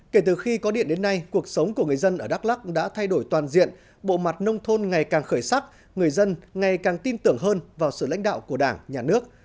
kể từ khi có điện đến nay cuộc sống của người dân ở đắk lắc đã thay đổi toàn diện bộ mặt nông thôn ngày càng khởi sắc người dân ngày càng tin tưởng hơn vào sự lãnh đạo của đảng nhà nước